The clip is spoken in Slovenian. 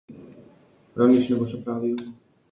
Prav nič ne boš opravil!